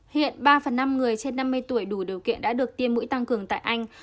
hiện ba phần năm người trên năm mươi tuổi đủ điều kiện đã được tiêm mũi tăng cường tại anh